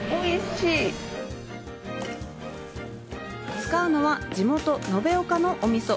使うのは地元延岡のお味噌。